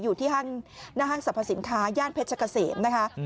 อยู่ที่ห้างหน้าห้างสรรพสินค้าย่านเพชรเกษมนะคะ